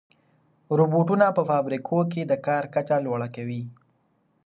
روبوټونه په فابریکو کې د کار کچه لوړه کوي.